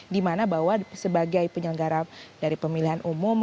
di mana bahwa sebagai penyelenggara dari pemilihan umum